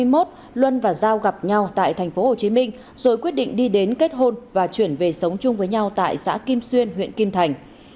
năm hai nghìn hai mươi một luân và giao gặp nhau tại tp hcm rồi quyết định đi đến kết hôn và chuyển về sống chung với nhau tại xã kim xuyên huyện kim thành